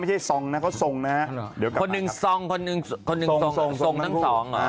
ไม่ใช่ทรงนะเขาทรงนะเดี๋ยวกลับมาคนหนึ่งทรงคนหนึ่งทรงทรงทั้งสอง